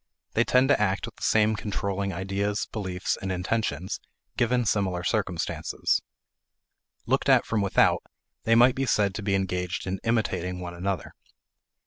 They tend to act with the same controlling ideas, beliefs, and intentions, given similar circumstances. Looked at from without, they might be said to be engaged in "imitating" one another.